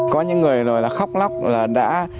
có những người khóc lóc là đã